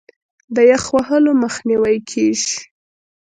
د یخ وهلو مخنیوی کیږي.